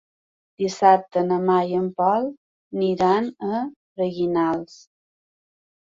Dissabte na Mar i en Pol aniran a Freginals.